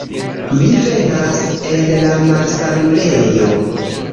Mi venas el la malsanulejo.